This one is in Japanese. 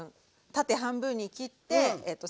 縦半分に切ってえっと